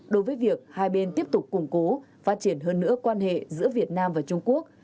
đối với việc hai bên tiếp tục củng cố phát triển hơn nữa quan hệ giữa việt nam và trung quốc